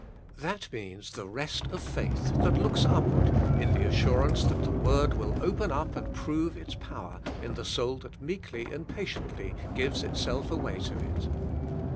That means the rest of faith, that looks upward in the assurance that the Word will open up and prove its power, in the soul that meekly and patiently gives itself away to it.